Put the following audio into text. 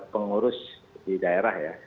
pengurus di daerah ya